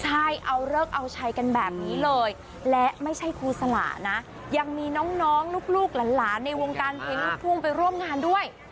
ใช่เอาเลิกเอาชัยกันแบบนี้เลยและไม่ใช่ครูสละนะยังมีน้องลูกหลานในวงการเพลงลูกทุ่งไปร่วมงานด้วย